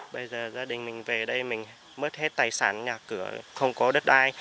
bây giờ gia đình mình về đây mình mất hết tài sản nhà cửa không có đất đai